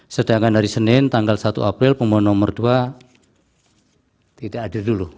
sedangkan hari senin tanggal satu april pemohon nomor dua tidak hadir dulu